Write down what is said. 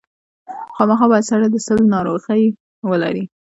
خامخا باید سړی د سِل ناروغي ولري.